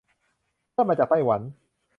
เพื่อนมาจากไต้หวัน